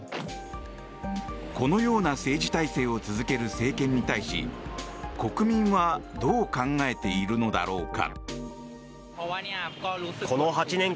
このような政治体制を続ける政権に対し国民はどう考えているのだろうか。